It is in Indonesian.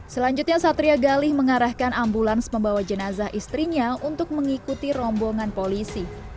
selanjutnya satria galih mengarahkan ambulans membawa jenazah istrinya untuk mengikuti rombongan polisi